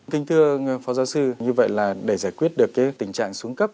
thưa phó giáo sư như vậy là để giải quyết được cái tình trạng xuống cấp